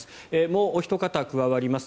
もうおひと方加わります。